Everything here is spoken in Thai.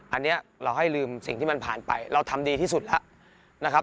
อันนี้เราให้ลืมสิ่งที่มันผ่านไปเราทำดีที่สุดแล้วนะครับ